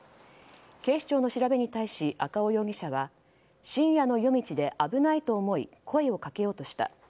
警視庁の調べに対し赤尾容疑者は深夜の夜道で危ないと思って声をかけようとした。